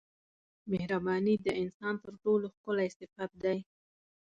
مهرباني د انسان تر ټولو ښکلی صفت دی.